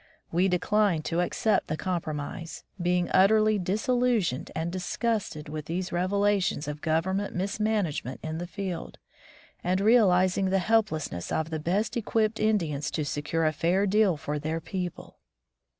We declined to accept the compromise, being utterly disillusioned and disgusted with these revelations of Government mis management in the field, and realizing the helplessness of the best equipped Indians 134 War with the Politicians to secure a fair deal for their people.